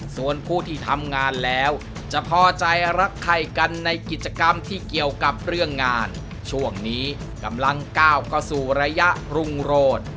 ส่วนผู้ที่ทำงานแล้วจะพอใจรักใครกันในกิจกรรมที่เกี่ยวกับเรื่องงานช่วงนี้กำลังก้าวเข้าสู่ระยะรุ่งโรด